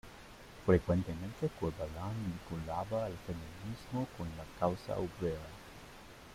Frecuentemente, Corvalán vinculaba al feminismo con la causa obrera.